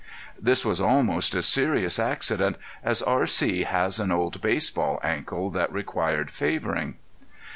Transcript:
This was almost a serious accident, as R.C. has an old baseball ankle that required favoring.